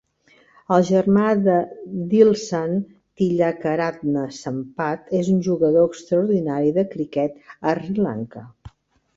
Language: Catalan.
El germà de Dilshan, Tillakaratne Sampath, és un jugador extraordinari de criquet a Sri Lanka.